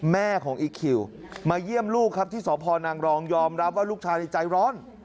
แม่ของอีคิวมาเยี่ยมลูกครับที่สพนางรองยอมรับว่าลูกชายในใจร้อน